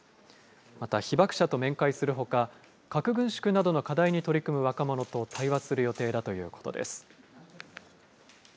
また被爆者と面会するほか、核軍縮などの課題に取り組む若者と対話する予定だということです。